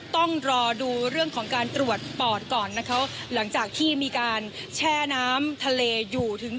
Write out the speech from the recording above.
ต้องรอดูเรื่องของการตรวจปอดก่อนนะคะหลังจากที่มีการแช่น้ำทะเลอยู่ถึง